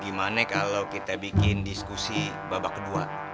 gimana kalau kita bikin diskusi babak kedua